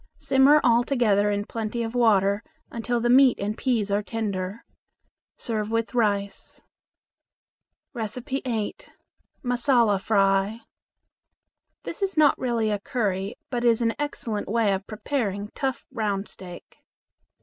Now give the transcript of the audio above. Simmer all together in plenty of water until the meat and peas are tender. Serve with rice. 8. Massala Fry. This is not really a curry, but is an excellent way of preparing tough round steak.